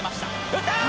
打った！